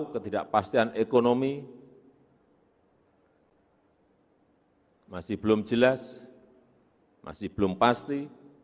ketidakpastian ekonomi masih belum jelas masih belum pasti